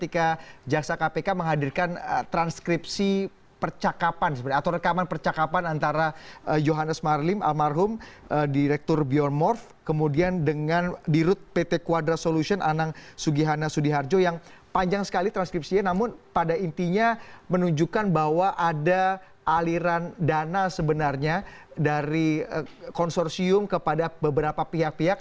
kami akan kembali usaha jenak berikut ini